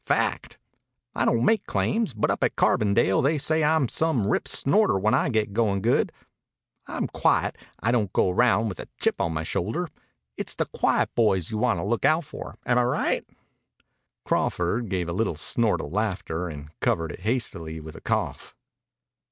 Fact. I don't make claims, but up at Carbondale they say I'm some rip snorter when I get goin' good. I'm quiet. I don't go around with a chip on my shoulder. It's the quiet boys you want to look out for. Am I right?" Crawford gave a little snort of laughter and covered it hastily with a cough.